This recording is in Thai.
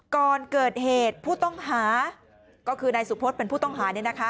ก่อนเกิดเหตุผู้ต้องหาก็คือนายสุพศเป็นผู้ต้องหา